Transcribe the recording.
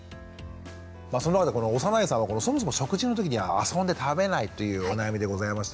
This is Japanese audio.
そんな中で小山内さんはそもそも食事の時に遊んで食べないというお悩みでございましたが。